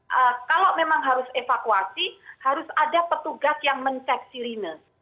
nah kalau memang harus evakuasi harus ada petugas yang mencek sirine